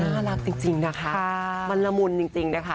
น่ารักจริงนะคะมันละมุนจริงนะคะ